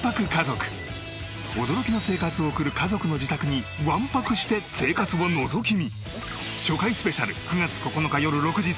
驚きの生活を送る家族の自宅に１泊して生活をのぞき見！